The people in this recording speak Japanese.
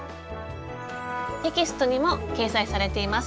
テキストにも掲載されています。